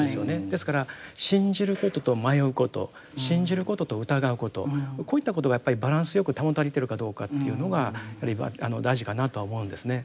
ですから信じることと迷うこと信じることと疑うことこういったことがやっぱりバランスよく保たれてるかどうかというのが大事かなとは思うんですね。